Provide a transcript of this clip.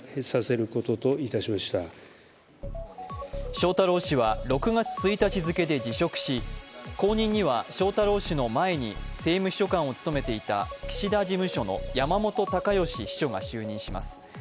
翔太郎氏は、６月１日付けで辞職し、翔太郎氏の前に政務秘書官を務めていた岸田事務所の山本高義秘書が就任します。